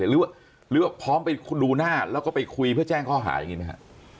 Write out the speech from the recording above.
หรือว่าพร้อมไปดูหน้าแล้วก็ไปคุยเพื่อแจ้งข้อหาอย่างนี้ไหมฮะ